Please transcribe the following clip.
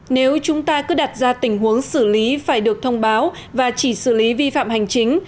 nếu chúng ta cứ đặt ra tình huống xử lý phải được thông báo và chỉ xử lý vi phạm hành chính